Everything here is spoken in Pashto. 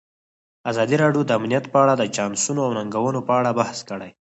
ازادي راډیو د امنیت په اړه د چانسونو او ننګونو په اړه بحث کړی.